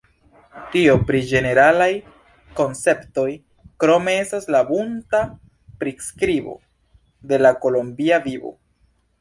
Tio pri ĝeneralaj konceptoj; krome estas la bunta priskribo de la kolombia vivo.